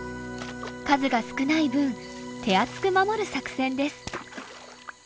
数が少ない分手厚く守る作戦です。